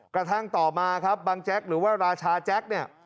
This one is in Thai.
กระทั่งต่อมาครับบังแจ๊กหรือว่าราชาแจ็คเนี่ย